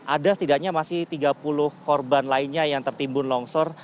ada setidaknya masih tiga puluh korban lainnya yang tertimbun longsor